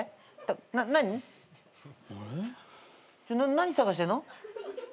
何探してんの？